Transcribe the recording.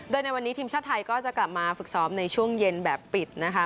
โดยในวันนี้ทีมชาติไทยก็จะกลับมาฝึกซ้อมในช่วงเย็นแบบปิดนะคะ